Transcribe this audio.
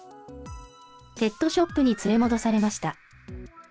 ペットショップに連れ戻されました。